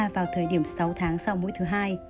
vào thời điểm sáu tháng sau mũi thứ hai